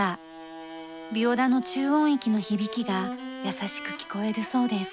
ビオラの中音域の響きが優しく聞こえるそうです。